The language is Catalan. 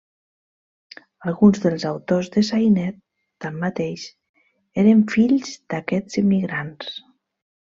Alguns dels autors de sainet tanmateix eren fills d'aquests immigrants.